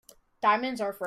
Diamonds are forever.